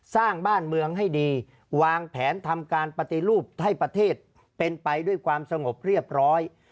สร้างบ้านเมืองให้ดีวางแผนทำการปฏิรูปให้ประเทศเป็นไปด้วยความสงบเรียบร้อย